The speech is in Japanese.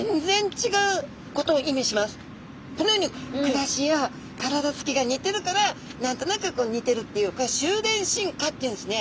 このように暮らしや体つきが似てるから何となく似てるっていう収斂進化っていうんですね。